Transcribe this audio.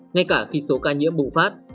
ngay cả khi số ca nhiễm bùng phát